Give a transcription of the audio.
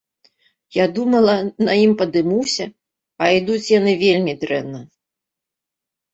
Я думала, на ім падымуся, а ідуць яны вельмі дрэнна.